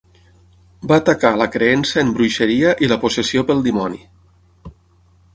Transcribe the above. Va atacar la creença en bruixeria i la "possessió" pel dimoni.